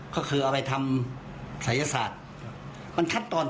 ไม่รู้เหมือนกัน